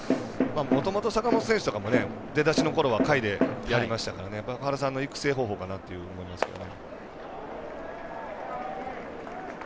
もともと坂本選手とかは出だしのころは下位でやりましたから原さんの育成方法かなと思いますけど。